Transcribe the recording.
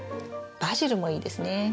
バジルもいいですね。